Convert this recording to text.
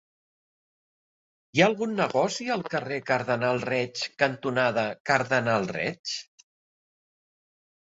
Hi ha algun negoci al carrer Cardenal Reig cantonada Cardenal Reig?